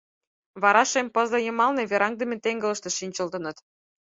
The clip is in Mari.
Вара шем пызле йымалне вераҥдыме теҥгылыште шинчылтыныт.